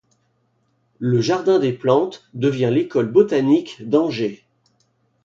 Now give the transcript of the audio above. Le Jardin des plantes devient l’école botanique d’Angers.